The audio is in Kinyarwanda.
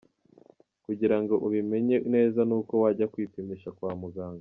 Kugirango ubimenye neza n’uko wajya kwipimisha kwa mugaga.